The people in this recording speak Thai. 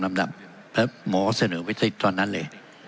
หมอเสนอวิธีตอนนั้นเลย